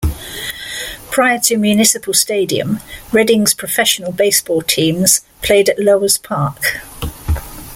Prior to Municipal Stadium, Reading's professional baseball teams played at Lauer's Park.